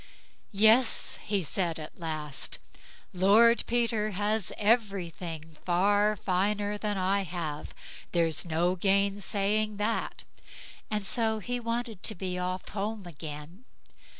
"Yes", he said at last; "Lord Peter has everything far finer than I have, there's no gainsaying that", and so he wanted to be off home again.